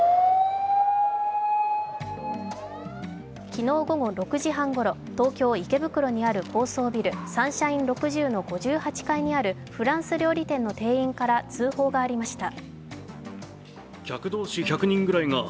昨日午後６時半ごろ、東京・池袋にある高層ビル、サンシャイン６０の５８階にあるフランス料理店の店員から通報がありました。